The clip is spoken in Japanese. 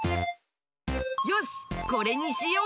よしこれにしよう！